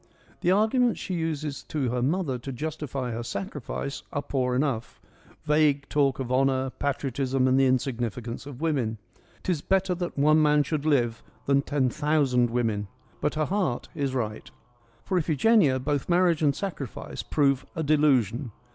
The argu ments she uses to her mother to justify her sacrifice are poor enough : vague talk of honour, patriotism and the insignificance of women —' Tis better that one man should live than ten thousand women '; but her heart is right. For Iphigenia both marriage and sacrifice prove a delusion.